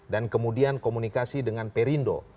dan kemudian komunikasi dengan perindo